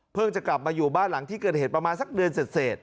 จะกลับมาอยู่บ้านหลังที่เกิดเหตุประมาณสักเดือนเสร็จ